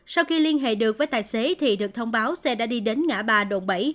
sau khi liên hệ được với tài xế thì được thông báo xe đã đi đến ngã ba đồn bảy